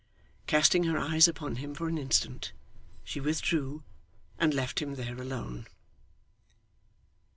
Casting her eyes upon him for an instant, she withdrew, and left him there alone.